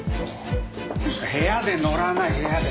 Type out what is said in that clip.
部屋で乗らない部屋で！